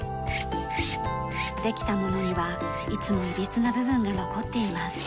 できたものにはいつもいびつな部分が残っています。